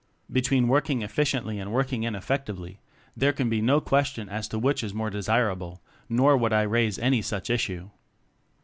Between working efficiently and working ineffectively there can be no question as to which is the more desirable, nor would I raise any such issue.